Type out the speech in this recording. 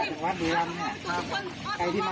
ครับคุณพุทธแม่งว่าครับ